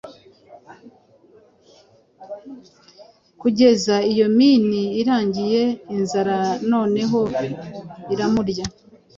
Kugeza iyo mini irangiye, inzara noneho iramurya